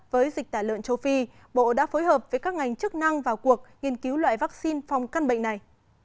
với dịch tả lợn châu phi bộ đã phối hợp với các ngành chức năng vào cuộc nghiên cứu loại vaccine phòng căn bệnh này